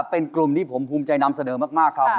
เป็นกลุ่มที่ผมภูมิใจนำเสนอมากครับ